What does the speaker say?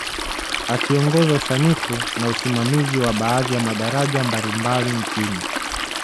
Akiongoza usanifu na usimamizi wa baadhi ya madaraja mbalimbali nchini